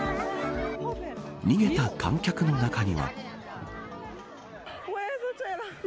逃げた観客の中には。